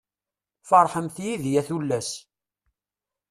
Ferḥemt yid-i a tullas.